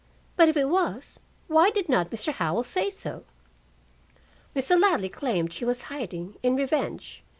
But if it was, why did not Mr. Howell say so? Mr. Ladley claimed she was hiding, in revenge.